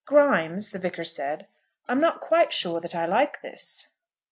"Grimes," the Vicar said, "I'm not quite sure that I like this."